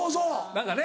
何かね。